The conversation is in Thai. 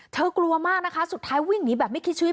กลัวมากนะคะสุดท้ายวิ่งหนีแบบไม่คิดชีวิต